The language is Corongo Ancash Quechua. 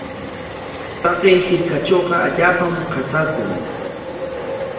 Taqay hirkatrawqa allaapam qasaakun.